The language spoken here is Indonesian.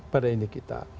pada ini kita